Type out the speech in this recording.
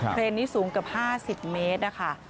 เครนนี้สูงเกือบ๕๐เมตรนะคะ